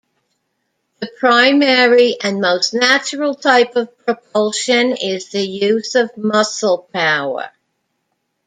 The primary and most natural type of propulsion is the use of muscle power.